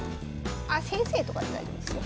あ「先生」とかで大丈夫ですよ。